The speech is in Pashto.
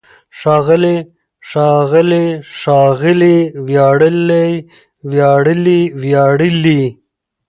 ښاغلی، ښاغلي، ښاغلې! وياړلی، وياړلي، وياړلې!